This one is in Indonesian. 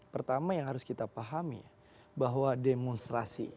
pertama yang harus kita pahami bahwa demonstrasi